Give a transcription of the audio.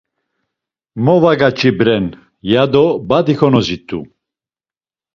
Mo va gaç̌ibren, ya do badi konozit̆u.